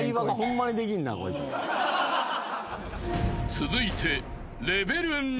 ［続いて］